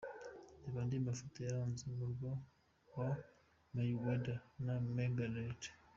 Reba andi amafoto yaranze umurwano wa Mayweather na MacGregor .